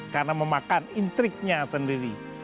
karena memakan intriknya sendiri